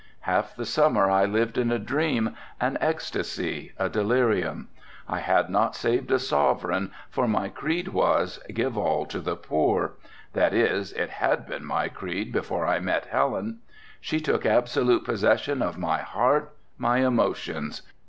Half the summer I lived in a dream, an ecstasy, a delirium. I had not saved a sovereign, for my creed was, 'Give all to the poor,' that is, it had been my creed before I met Helen. She took absolute possession of my heart, my emotions.